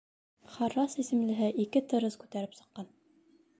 Харрас исемлеһе ике тырыз күтәреп сыҡҡан.